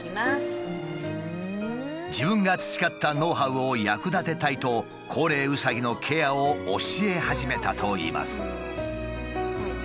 自分が培ったノウハウを役立てたいと高齢うさぎのケアを教え始めたといいます。